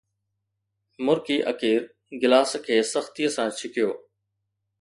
مرڪي اڪير گلاس کي سختيءَ سان ڇڪيو